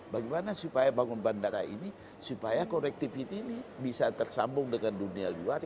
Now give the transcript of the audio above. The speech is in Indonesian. bagaimana supaya bangun bandara ini supaya connectivity ini bisa tersambung dengan dunia luar